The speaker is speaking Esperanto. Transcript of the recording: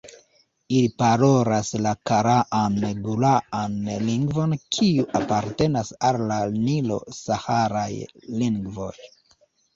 Ili parolas la karaan-gulaan lingvon kiu apartenas al la nilo-saharaj lingvoj.